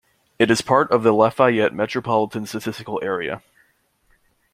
It is part of the Lafayette Metropolitan Statistical Area.